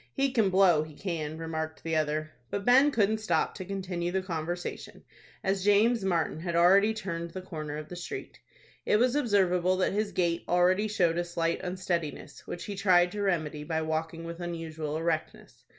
"He can blow, he can," remarked the other. But Ben couldn't stop to continue the conversation, as James Martin had already turned the corner of the street. It was observable that his gait already showed a slight unsteadiness, which he tried to remedy by walking with unusual erectness.